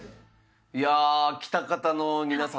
いや喜多方の皆さん